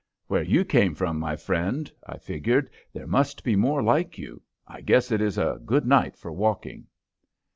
"Where you came from, my friend," I figured, "there must be more like you! I guess it is a good night for walking."